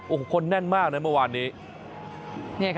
โอ้โหคนแน่นมากนะเมื่อวานนี้